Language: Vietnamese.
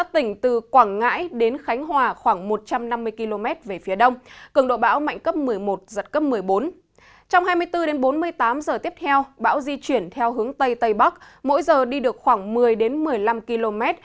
trong hai mươi bốn bốn mươi tám giờ tiếp theo bão di chuyển theo hướng tây tây bắc mỗi giờ đi được khoảng một mươi một mươi năm km